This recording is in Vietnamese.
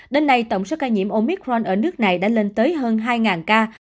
đến nay tổng số ca nhiễm omicron ở nước này đã lên tới hơn hai ca